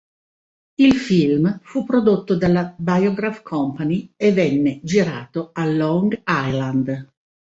Il film fu prodotto dalla Biograph Company e venne girato a Long Island.